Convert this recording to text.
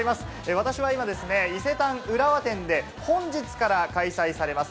私は今ですね、伊勢丹浦和店で本日から開催されます。